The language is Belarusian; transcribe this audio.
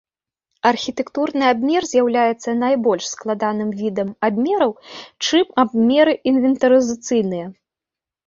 Архітэктурны абмер з'яўляецца найбольш складаным відам абмераў, чым абмеры інвентарызацыйныя.